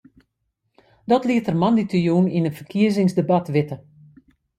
Dat liet er moandeitejûn yn in ferkiezingsdebat witte.